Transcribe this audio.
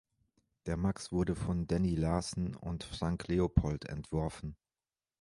Der Maxx wurde von Danny Larson und Frank Leopold entworfen.